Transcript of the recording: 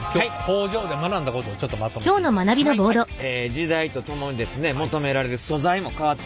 時代とともにですね求められる素材も変わってくると。